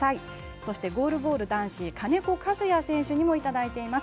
そして、ゴールボール男子金子和也選手にもいただいています。